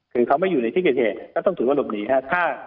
คือเขาไม่อยู่ในที่เกิดเหตุก็ต้องถือว่าหลบหนีครับ